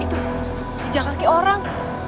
itu di jakarta orang